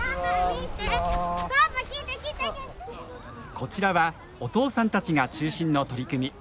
こちらはお父さんたちが中心の取り組み。